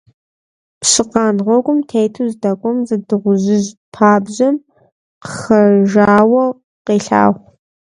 Пщыкъан гъуэгум тету здэкӀуэм зы дыгъужьыжь пабжьэм къыхэжауэ къелъагъу.